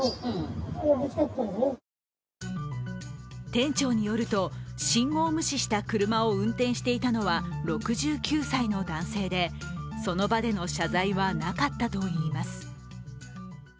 店長によると、信号無視した車を運転していたのは６９歳の男性でその場での謝罪はなかったといいます。